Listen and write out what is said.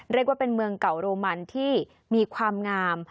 เรียกว่าเป็นเมืองเก่าโรมันที่มีความงาม